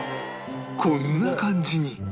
こんな感じに